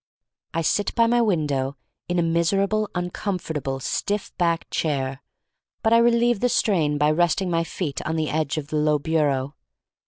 I sit by my window in a miserable, uncom fortable, stiff backed chair, but I relieve the strain by resting my feet on the edge of the low bureau.